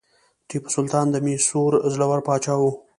ټیپو سلطان د میسور زړور پاچا و.